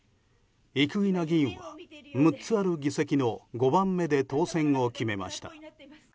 生稲議員は６つある議席の５番目で当選を決めました。